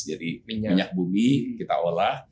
minyak bumi kita olah